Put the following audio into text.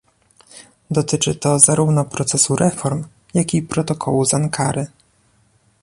Dotyczy to zarówno procesu reform jak i protokołu z Ankary